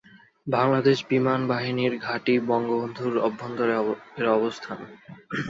বাংলাদেশ বিমান বাহিনী ঘাঁটি বঙ্গবন্ধুর অভ্যন্তরে এর অবস্থান।